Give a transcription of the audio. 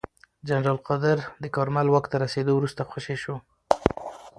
جنرال قادر د کارمل واک ته رسېدو وروسته خوشې شو.